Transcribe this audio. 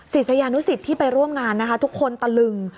ศิษยานุสิตที่ไปร่วมงานนะคะทุกคนตะลึง